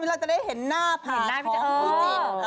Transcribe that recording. ที่ว่าจะได้เห็นหน้าผากของพี่จิ้น